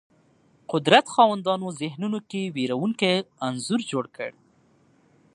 قدرت خاوندانو ذهنونو کې وېرونکی انځور جوړ کړ